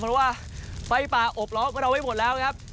เพราะว่าไฟป่าอบล้อมเอาไว้หมดแล้วครับ